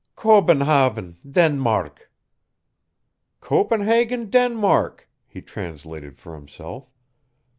"Kobenhavn Danmark!" "Copenhagen, Denmark," he translated for himself.